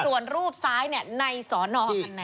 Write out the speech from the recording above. ส่วนรูปซ้ายในสนคันไนยาว